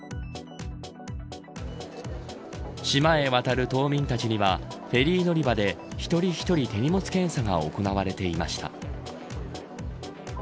島へ渡る島民たちにはフェリー乗り場で一人一人手荷物検査が行われていました。